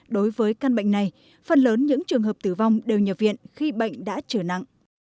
đối với căn bệnh này phần lớn những trường hợp tử vong đều nhập viện khi bệnh đã trở nặng